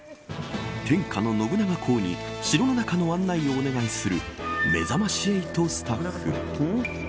天下の信長公に城の中の案内をお願いするめざまし８スタッフ。